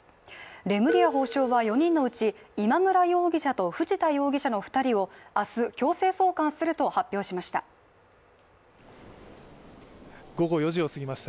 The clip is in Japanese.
レムリヤ法相は４人のうち今村容疑者と藤田容疑者の２人を明日、強制送還すると発表しました。